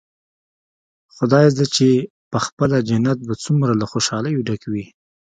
خدايزده چې پخپله جنت به څومره له خوشاليو ډک وي.